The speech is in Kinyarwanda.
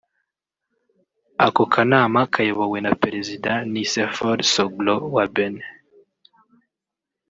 Ako kanama kayobowe na Perezida Nicéphore Soglo wa Benin